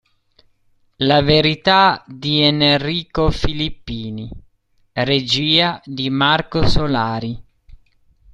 La verità di Enrico Filippini", regia di Marco Solari.